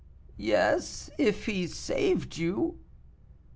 "Yes, if he saved you."